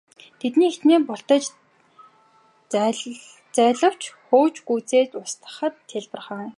Тэднийг хэчнээн бултаж зайлавч хөөж гүйцээд устгахад хялбархан.